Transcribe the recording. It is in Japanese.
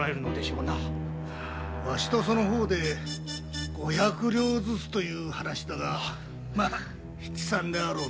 ワシとその方で五百両ずつと言う話だが「七三」であろうの。